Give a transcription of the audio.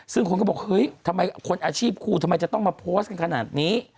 ซึ่งคนก็บอกเฮ้ยทำไมคนอาชีพครูทำไมจะต้องมาโพสต์กันขนาดนี้